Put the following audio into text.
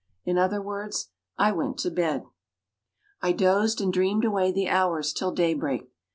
In other words, I went to bed. I dozed and dreamed away the hours till day break.